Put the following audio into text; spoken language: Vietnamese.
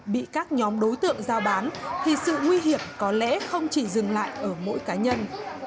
bị các nhóm đối tượng giao bán thì sự nguy hiểm có lẽ không chỉ dừng lại ở mỗi cá nhân